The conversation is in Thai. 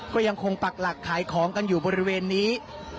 ก็ยังคงปักหลักขายของกันอยู่บริเวณนี้